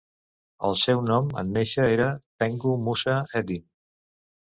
El seu nom en néixer era Tengku Musa Eddin.